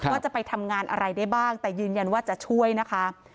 ว่าจะไปทำงานอะไรได้บ้างแต่ยืนยันว่าจะช่วยนะคะ